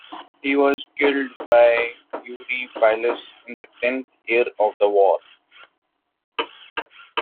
He was killed by Eurypylus in the tenth year of the war.